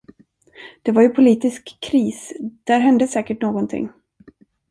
Det var ju politisk kris, där hände säkert någonting.